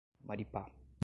Maripá